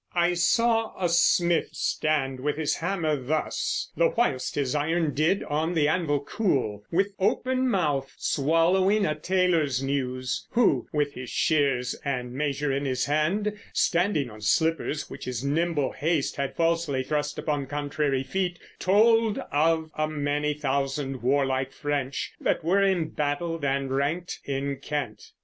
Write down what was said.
I saw a smith stand with his hammer, thus, The whilst his iron did on the anvil cool, With open mouth swallowing a tailor's news; Who, with his shears and measure in his hand, Standing on slippers, which his nimble haste Had falsely thrust upon contrary feet, Told of a many thousand warlike French That were embattailed and ranked in Kent.